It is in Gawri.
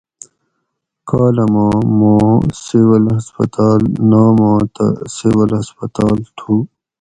کالاماں ماں سول ہسپتال ناماں تہ سول ہسپتال تُھو